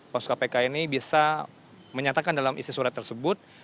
pos kpk ini bisa menyatakan dalam isi surat tersebut